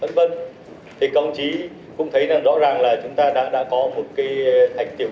vì vậy thì công chí cũng thấy rõ ràng là chúng ta đã có một cái